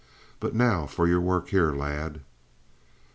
But now for your work here, lad?"